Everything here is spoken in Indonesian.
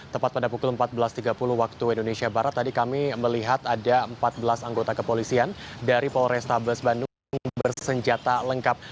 tepat pada pukul empat belas tiga puluh waktu indonesia barat tadi kami melihat ada empat belas anggota kepolisian dari polrestabes bandung bersenjata lengkap